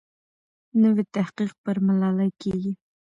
نوی تحقیق پر ملالۍ کېږي.